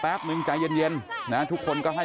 อยากจะเห็นว่าลูกเป็นยังไงอยากจะเห็นว่าลูกเป็นยังไง